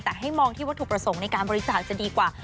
แต่ให้มองที่วัตถุประสงค์ในการบริจาคจะดีกว่า